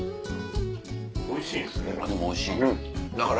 おいしいんですか？